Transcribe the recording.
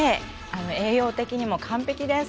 栄養的にも完璧です。